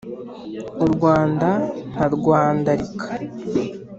u rwanda nkarwandarika